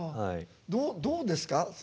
どうですか？